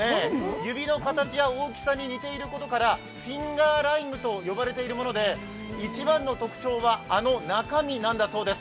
指の形や大きさに似ていることから、フィンガーライムと呼ばれているもので、一番の特徴は、あの中身なんだそうです。